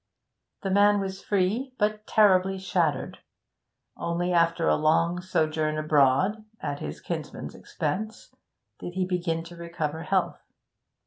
The man was free, but terribly shattered. Only after a long sojourn abroad, at his kinsman's expense, did he begin to recover health.